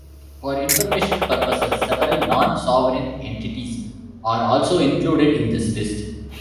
For informational purposes, several non-sovereign entities are also included in this list.